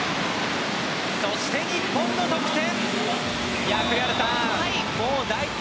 そして、日本の得点！